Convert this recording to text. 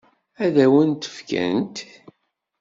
Ad wen-t-fkent?